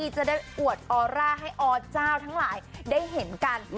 จะได้อวดออร่าให้อเจ้าทั้งหลายได้เห็นกัน